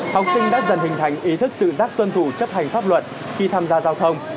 học sinh đã dần hình thành ý thức tự giác tuân thủ chấp hành pháp luật khi tham gia giao thông